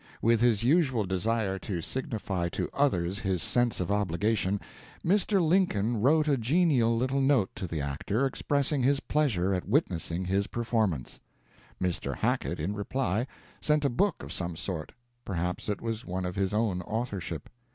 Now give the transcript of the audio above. With his usual desire to signify to others his sense of obligation, Mr. Lincoln wrote a genial little note to the actor expressing his pleasure at witnessing his performance. Mr. Hackett, in reply, sent a book of some sort; perhaps it was one of his own authorship.